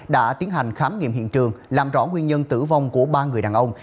đã tiến hành khám nghiệm hiện trường làm rõ nguyên nhân tử vong của ba người đàn ông